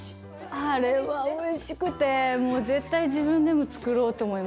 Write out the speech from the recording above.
あれはおいしくてもう絶対自分でも作ろうと思いました。